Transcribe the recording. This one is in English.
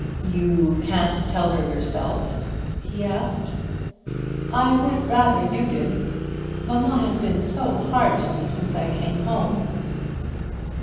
"You can't tell her yourself?" he asked. "I would rather you did. Mamma has been so hard to me since I came home."